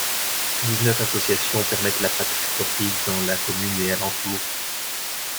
Dix-neuf associations permettent la pratique sportive dans la commune et alentours.